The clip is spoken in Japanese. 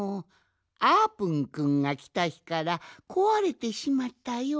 あーぷんくんがきたひからこわれてしまったようじゃ。